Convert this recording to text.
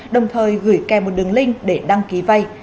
đồng thời gửi kèm một đường link để đăng ký vay